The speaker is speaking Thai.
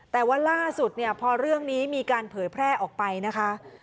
แต่ว่าล่าสุดเนี่ยพอเรื่องนี้มีการเผยแพร่ออกไปนะคะ